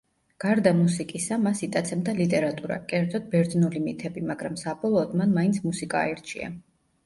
გარდა მუსიკისა მას იტაცებდა ლიტერატურა, კერძოდ ბერძნული მითები, მაგრამ საბოლოოდ მან მაინც მუსიკა აირჩია.